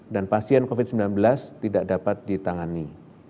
dan pasien covid sembilan belas tidak dapat ditangani